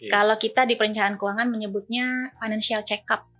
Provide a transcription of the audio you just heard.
kalau kita di perencanaan keuangan menyebutnya financial check up